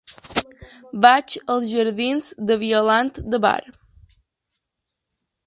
Vaig als jardins de Violant de Bar.